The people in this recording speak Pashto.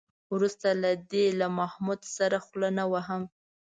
وروسته له دې له محمود سره خوله نه وهم.